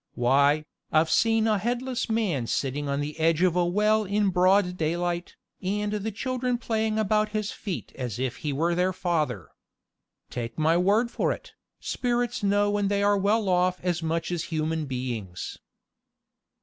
Why, I've seen a headless man sitting on the edge of the well in broad daylight, and the children playing about his feet as if he were their father. Take my word for it, spirits know when they are well off as much as human beings.